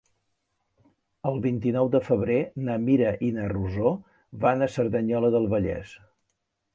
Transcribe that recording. El vint-i-nou de febrer na Mira i na Rosó van a Cerdanyola del Vallès.